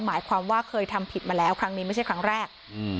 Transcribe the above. หมายความว่าเคยทำผิดมาแล้วครั้งนี้ไม่ใช่ครั้งแรกอืม